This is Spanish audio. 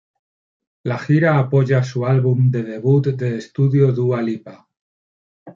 La gira apoya su álbum de debut de estudio "Dua Lipa".